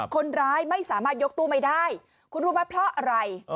คนร้ายไม่สามารถยกตู้ไม่ได้คุณรู้ไหมเพราะอะไร